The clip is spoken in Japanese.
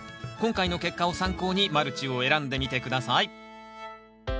今回の結果を参考にマルチを選んでみて下さい。